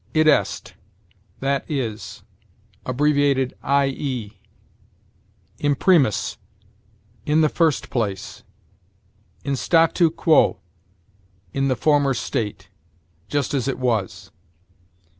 Id est: that is; abbreviated, i. e. Imprimis: in the first place. In statu quo: in the former state; just as it was.